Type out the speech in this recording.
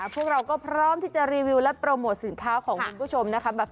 พวกเราก็พร้อมที่จะรีวิวและโปรโมทสินค้าของคุณผู้ชมนะคะ